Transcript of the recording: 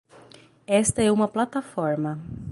Esta é uma plataforma